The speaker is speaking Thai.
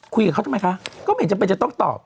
คุยกับเขาทำไมคะก็ไม่เห็นจำเป็นจะต้องตอบ